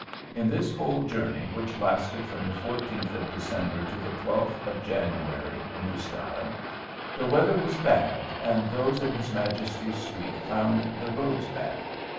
In this whole journey, which lasted from the 14th of December to the 12th of January (New Style), the weather was bad, and those in his Majesty's suite found the roads bad."